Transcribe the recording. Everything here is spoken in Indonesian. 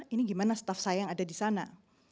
ini gimana staff saya yang ada disana